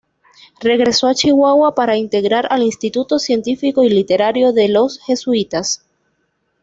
Regresó a Chihuahua para ingresar al Instituto Científico y Literario de los jesuitas.